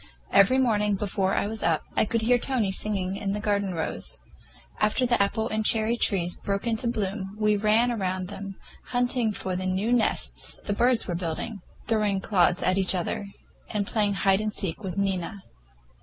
Every morning, before I was up, I could hear Tony singing in the garden rows. After the apple and cherry trees broke into bloom, we ran about under them, hunting for the new nests the birds were building, throwing clods at each other, and playing hide and seek with Nina.